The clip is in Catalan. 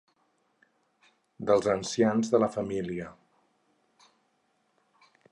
Dels ancians de la família.